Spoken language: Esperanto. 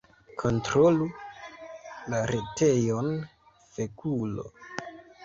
Kontrolu la retejon, fekulo